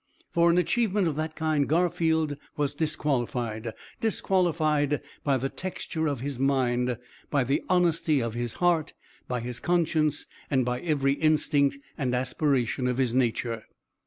For an achievement of that kind Garfield was disqualified disqualified by the texture of his mind, by the honesty of his heart, by his conscience, and by every instinct and aspiration of his nature.